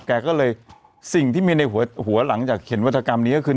แกก็เลยสิ่งที่มีในหัวหลังจากเขียนวัฒกรรมนี้ก็คือ